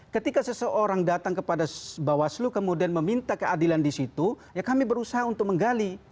ketika seseorang datang kepada bawaslu kemudian meminta keadilan di situ ya kami berusaha untuk menggali